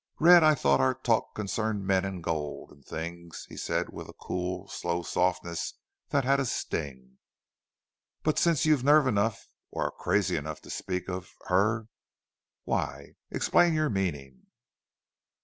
"Red, I thought our talk concerned men and gold and things," he said, with a cool, slow softness that had a sting, "but since you've nerve enough or are crazy enough to speak of her why, explain your meaning."